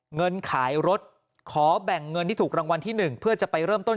เงินขายรถขอแบ่งเงินที่ถูกรางวัลที่๑เพื่อจะไปเริ่มต้น